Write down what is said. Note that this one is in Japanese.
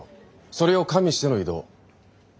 それを加味しての異動。